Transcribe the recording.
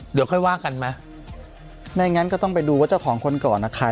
เดี๋ยวค่อยว่ากันมางั้นก็ต้องไปดูว่าเจ้าของคนก่อนค่ะขาย